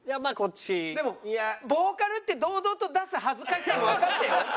でもボーカルって堂々と出す恥ずかしさもわかってよ？